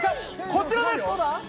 こちらです。